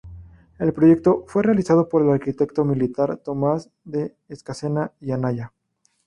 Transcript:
El proyecto fue realizado por el arquitecto militar Tomás de Escacena y Anaya.